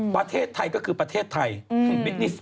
เพราะวันนี้หล่อนแต่งกันได้ยังเป็นสวย